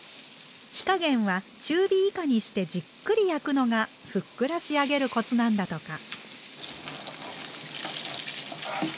火加減は中火以下にしてじっくり焼くのがふっくら仕上げるコツなんだとか。